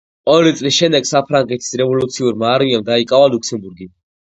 ორი წლის შემდეგ საფრანგეთის რევოლუციურმა არმიამ დაიკავა ლუქსემბურგი.